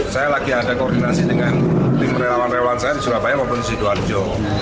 saya lagi ada koordinasi dengan tim perelawan perelawan saya di surabaya komunisi doanjo